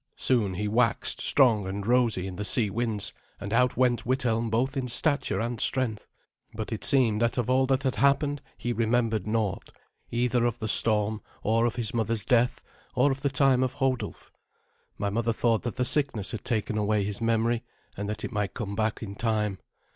Soon he waxed strong and rosy in the sea winds, and out went Withelm both in stature and strength. But it seemed that of all that had happened he remembered naught, either of the storm, or of his mother's death, or of the time of Hodulf. My mother thought that the sickness had taken away his memory, and that it might come back in time.